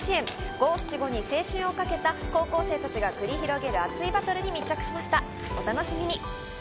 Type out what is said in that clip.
五・七・五に青春をかけた高校生たちが繰り広げる熱いバトルに密着しましたお楽しみに。